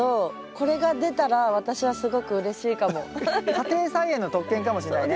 家庭菜園の特権かもしれないね。